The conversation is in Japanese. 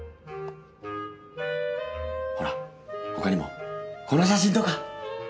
ほら他にもこの写真とか。